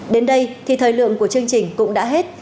đến đây thì thời lượng của chương trình cũng đã hết